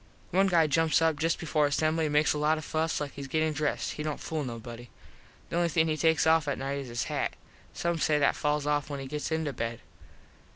One guy jumps up just before assembly and makes a lot of fuss like hes gettin dressed. He dont fool nobody. The only thing he takes off at nite is his hat. Some says that falls off when he gets into bed.